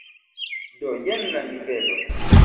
Do jen la nivelo.